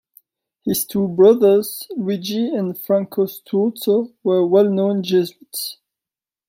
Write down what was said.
His two brothers Luigi and Franco Sturzo were well-known Jesuits.